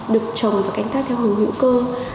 được trồng và canh tác theo hướng hữu cơ